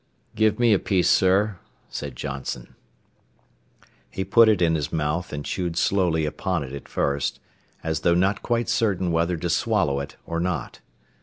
"Give me a piece, sir," said Johnson. He put it in his mouth and chewed slowly upon it at first, as though not quite certain whether to swallow it or not.